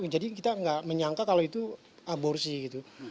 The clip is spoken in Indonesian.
jadi kita nggak menyangka kalau itu aborsi gitu